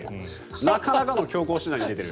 なかなかの強硬手段に出ている。